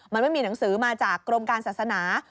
มันไม่มีหนังสือมาจากกรมการศาสนา